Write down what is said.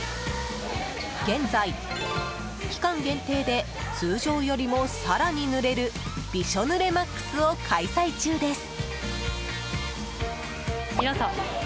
現在、期間限定で通常よりも更にぬれるびしょ濡れＭＡＸを開催中です。